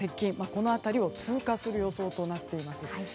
この辺りを通過する予想となっています。